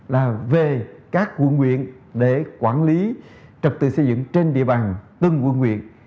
là về các quận nguyện để quản lý trật tự xây dựng trên địa bàn từng quận huyện